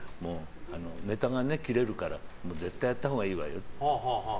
ネタが切れるから絶対にやったほうがいいわよって。